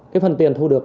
cái phần tiền thu được